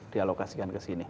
dialokasikan ke sini